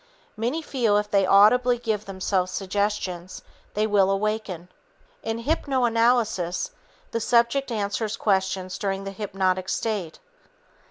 Many feel if they audibly give themselves suggestions, they will "awaken." In hypno analysis, the subject answers questions during the hypnotic state.